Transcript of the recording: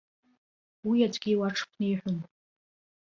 Уи аӡәгьы иуаҽԥниҳәом.